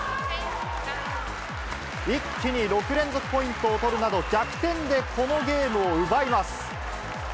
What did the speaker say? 一気に６連続ポイントを取るなど、逆転でこのゲームを奪います。